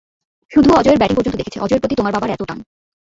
শুধু অজয়ের ব্যাটিং পর্যন্ত দেখেছে, অজয়ের প্রতি তোমার বাবার এতো টান।